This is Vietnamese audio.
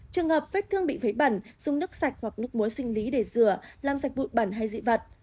trường hợp vết thương bị vấy bẩn dùng nước sạch hoặc nước muối sinh lý để rửa làm sạch bụi bẩn hay dị vật